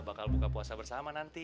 bakal buka puasa bersama nanti